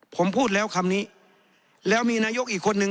ผมพูดแล้วคำนี้แล้วมีนายกอีกคนนึง